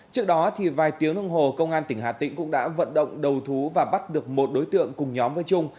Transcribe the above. trước đó vài tiếng đồng hồ công an tỉnh hà tĩnh cũng đã vận động đầu thú và bắt được một đối tượng cùng nhóm với trung